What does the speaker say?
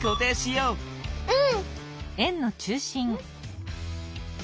うん。